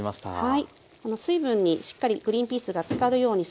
はい。